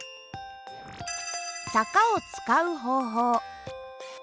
坂を使う方法。